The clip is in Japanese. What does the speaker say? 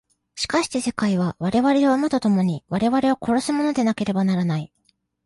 しかして世界は我々を生むと共に我々を殺すものでなければならない。